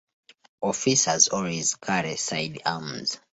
Officers always carry sidearms.